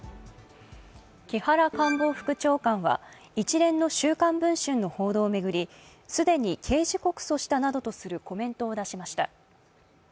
木原官房副長官は一連の「週刊文春」の報道を巡り既に刑事告訴したなどとするコメントを出しました。